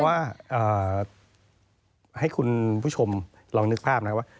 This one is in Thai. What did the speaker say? เพราะว่าให้คุณผู้ชมลองนึกภาพนะครับว่า